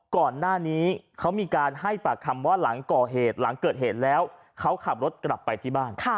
ก่อนหน้านี้เขามีการให้ปากคำว่าหลังก่อเหตุหลังเกิดเหตุแล้วเขาขับรถกลับไปที่บ้าน